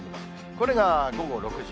これが午後６時。